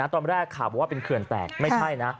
ตอนแรกข่าวบอกว่าเป็นเขื่อนแตกไม่ใช่นะ